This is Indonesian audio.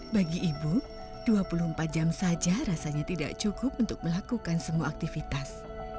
bagi ibu dua puluh empat jam saja rasanya tidak cukup untuk melakukan semua aktivitas